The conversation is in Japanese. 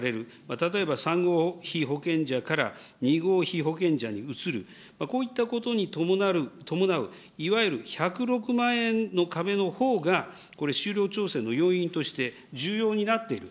例えば３号被保険者から２号非保険者に移る、こういったことに伴ういわゆる１０６万円の壁のほうがこれ、就労調整の要因として重要になっている。